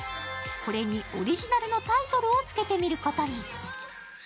これにオリジナルのタイトルをつけてみることに。